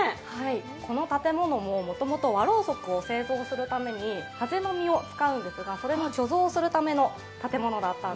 この建物ももともと和ろうそくをつくるためのはぜの実を使うんですがそれを貯蔵するための部屋です。